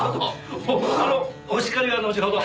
お叱りは後ほど。